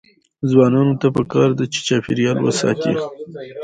ځوانانو ته پکار ده چې، چاپیریال وساتي.